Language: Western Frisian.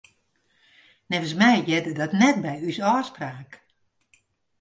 Neffens my hearde dat net by ús ôfspraak.